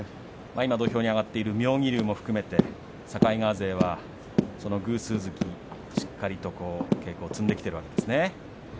今、土俵に上がっている妙義龍も含めて境川勢はその偶数月しっかり稽古を積んできているわけですね。